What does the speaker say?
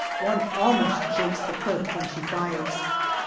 One almost shakes the cliff when she fires.